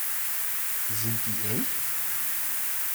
Sind die echt?